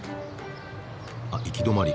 あっ行き止まり。